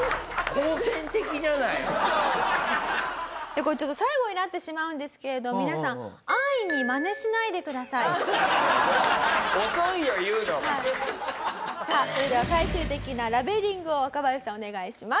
これちょっと最後になってしまうんですけれど皆さんさあそれでは最終的なラべリングを若林さんお願いします。